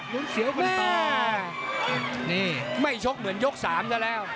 ลุ้นเสียวกันต่อนี่ไม่ชกเหมือนยกสามก็แล้ว